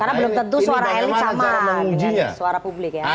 karena belum tentu suara elit sama dengan suara publik ya